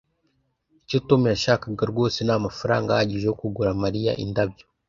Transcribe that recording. icyo tom yashakaga rwose ni amafaranga ahagije yo kugura mariya indabyo